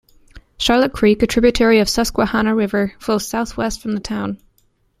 Charlotte Creek, a tributary of the Susquehanna River flows southwestward from the town.